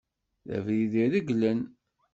D abrid ireglen.